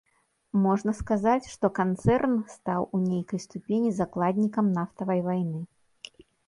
Можна сказаць, што канцэрн стаў у нейкай ступені закладнікам нафтавай вайны.